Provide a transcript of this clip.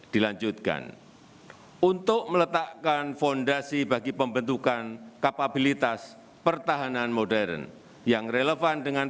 dilanjutkan untuk meletakkan fondasi bagi pembentukan kapabilitas pertahanan modern yang relevan dengan